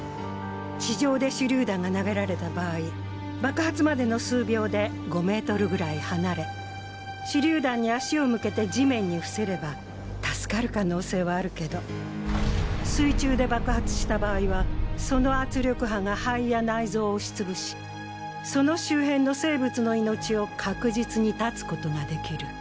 地上で手榴弾が投げられた場合爆発までの数秒で５メートルぐらいはなれ手榴弾に足を向けて地面に伏せれば助かる可能性はあるけど水中で爆発した場合はその圧力波が肺や内臓を押しつぶしその周辺の生物の命を確実に絶つ事ができる。